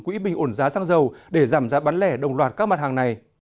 quỹ bình ổn giá xăng dầu để giảm giá bán lẻ đồng loạt các mặt hàng này